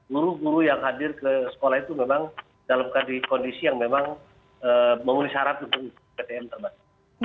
guru guru yang hadir ke sekolah itu memang dalam kondisi yang memang memenuhi syarat untuk ptm terbatas